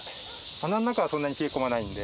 穴の中はそんなに冷え込まないんで。